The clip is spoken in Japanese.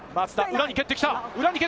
裏に蹴ってきた。